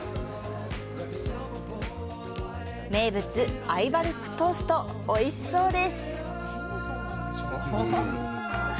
名物アイヴァルックトーストおいしそうです。